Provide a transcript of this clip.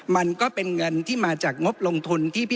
มันก็เป็นเงินที่มาจากงบลงทุน